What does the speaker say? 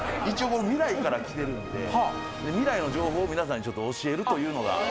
一応未来から来てるんで未来の情報を皆さんにちょっと教えるというのが。